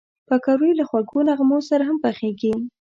پکورې له خوږو نغمو سره هم پخېږي